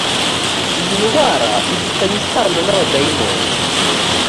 iyi ndwara ifitanye isano n’abadayimoni